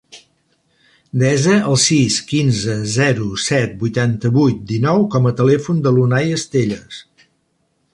Desa el sis, quinze, zero, set, vuitanta-vuit, dinou com a telèfon de l'Unay Estelles.